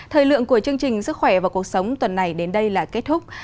thời lượng của chương trình sức khỏe và cuộc sống tuần này đến đây là kết thúc